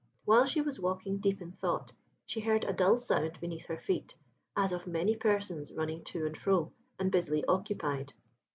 While she was walking, deep in thought, she heard a dull sound beneath her feet, as of many persons running to and fro, and busily occupied.